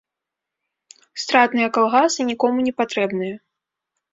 Стратныя калгасы нікому не патрэбныя.